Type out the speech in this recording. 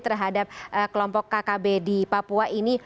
terhadap kelompok kkb di papua ini